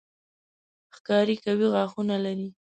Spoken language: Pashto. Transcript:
ښکاري قوي غاښونه لري.